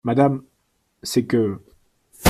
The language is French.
Madame, c’est que…